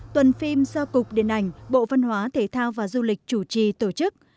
tuần phim do cục điện ảnh bộ văn hóa thể thao và du lịch chủ trì tổ chức